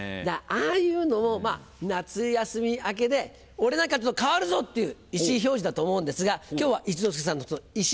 ああいうのを夏休み明けで「俺何かちょっと変わるぞ！」っていう意思表示だと思うんですが今日は一之輔さんの意思表示